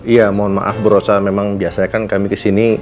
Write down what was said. iya mohon maaf bu rosa memang biasanya kan kami kesini